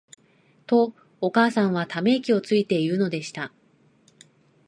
と、お母さんは溜息をついて言うのでした。